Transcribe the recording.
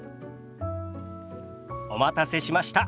お待たせしました。